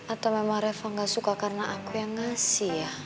atau memang reva gak suka karena aku yang ngasih ya